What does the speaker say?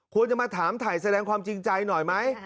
ควรจะมาถามถ่ายแสดงความจริงใจหน่อยไหม